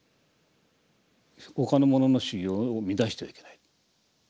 他の者の修行を乱してはいけない。